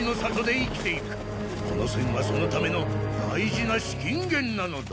この栓はそのための大事な資金源なのだ。